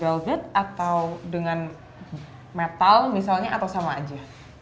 apakah lebih akan tahan dengan velvet atau dengan metal misalnya atau sama aja